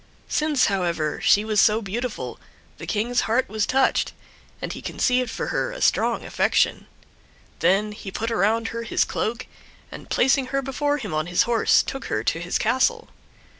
Since, however, she was so beautiful, the King's heart was touched, and he conceived for her a strong affection. Then he put around her his cloak, and, placing her before him on his horse, took her to his castle.